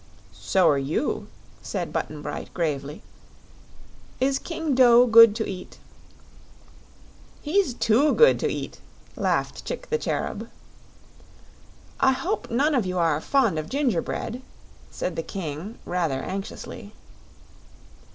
"So're you," said Button Bright, gravely. "Is King Dough good to eat?" "He's too good to eat," laughed Chick the Cherub. "I hope none of you are fond of gingerbread," said the King, rather anxiously.